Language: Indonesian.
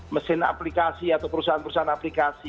mesin aplikasi atau perusahaan perusahaan aplikasi